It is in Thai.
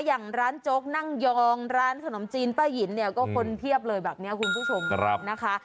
อย่างร้านโจ๊กนั่งยองร้านขนมจีนป้ายหินเนี่ยก็คนเพียบเลยแบบนี้คุณผู้ชมนะคะ